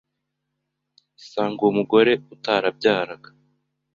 isanga uwo mugore utarabyaraga